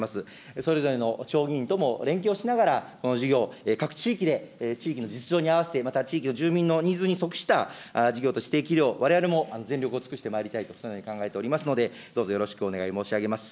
それぞれの地方議員とも連携をしながら、この事業、各地域で、地域の実情に合わせて、また地域の住民のニーズに即した事業としていけるよう、われわれも全力を尽くしてまいりたいと、そのように考えておりますので、どうぞよろしくお願い申し上げます。